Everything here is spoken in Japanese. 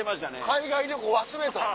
海外旅行忘れた。